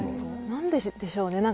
何でしょうね。